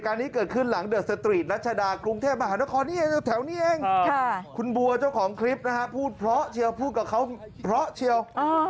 ไม่เป็นระชดากรุงเทพมหาละครอบครเนี่ยแถวนี้คุณบัวเจ้าของคลิปพูดเพราะเชียวพูดกับเขาเพราะเชียว